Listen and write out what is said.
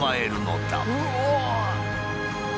うわ。